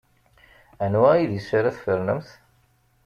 Anwa idis ara tfernemt?